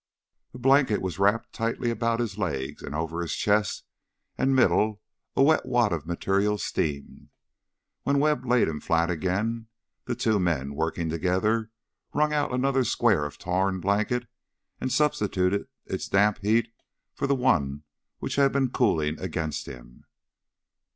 A blanket was wrapped tightly about his legs, and over his chest and middle a wet wad of material steamed. When Webb laid him flat again, the two men, working together, wrung out another square of torn blanket, and substituted its damp heat for the one which had been cooling against him.